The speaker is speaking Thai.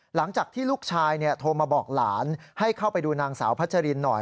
หลังจากที่ลูกชายโทรมาบอกหลานให้เข้าไปดูนางสาวพัชรินหน่อย